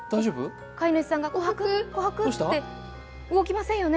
飼い主さんが「琥珀、琥珀」と動きませんよね。